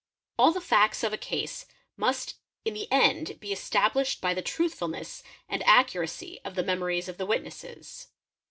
All the facts of a case must in the end be established by the truthfulness an accuracy of the memories of the witnesses.